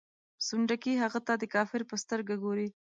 سنډکي هغه ته د کافر په سترګه ګوري.